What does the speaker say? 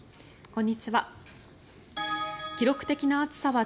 こんにちは。